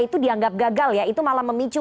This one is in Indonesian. itu dianggap gagal ya itu malah memicu